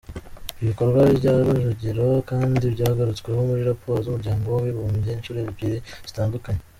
Ibikorwa bya Rujugiro kandi byagarutsweho muri raporo z’umuryango w’abibumbye inshuro ebyiri zitandukanye.